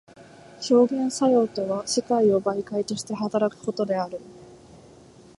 表現作用とは世界を媒介として働くことである。